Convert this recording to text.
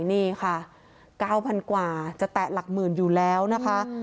นี่ค่ะ๙๐๐กว่าจะแตะหลักหมื่นอยู่แล้วนะคะ